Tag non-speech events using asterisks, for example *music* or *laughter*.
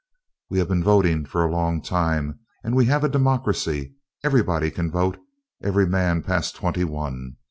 *applause* We have been voting a long time, and we have a democracy. Everybody can vote every man past twenty one.